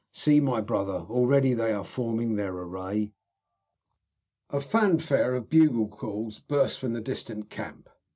See, my brother, already they are forming their array." A fanfare of bugle calls burst from the distant camp.